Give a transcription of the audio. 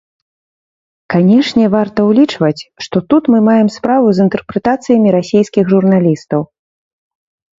Канешне, варта ўлічваць, што тут мы маем справу з інтэрпрэтацыямі расейскіх журналістаў.